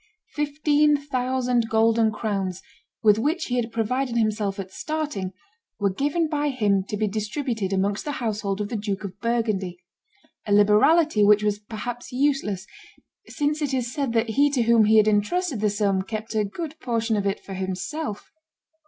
Fifteen thousand golden crowns, with which he had provided himself at starting, were given by him to be distributed amongst the household of the Duke of Burgundy; a liberality which was perhaps useless, since it is said that he to whom he had intrusted the sum kept a good portion of it for himself.